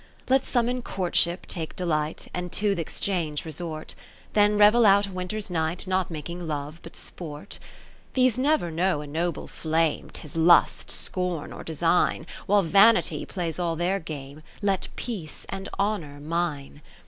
Let some in courtship take delight, And to th' Exchange resort ; Then revel out a winter's night, Not making love, but sport. 60 These never know a noble flame, 'Tis lust, scorn, or Design : While Vanity plays all their game, Let Peace and Honour mine.